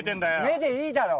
目でいいだろ！